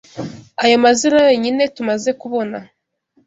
Aya mazina yonyine tumaze kubona